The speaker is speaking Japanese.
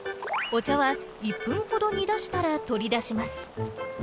お茶は１分ほど煮出したら取り出します。